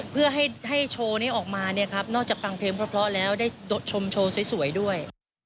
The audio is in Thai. เพื่อให้โชว์นี้ออกมาเนี่ยครับนอกจากฟังเพลงเพราะแล้วได้ชมโชว์สวยด้วย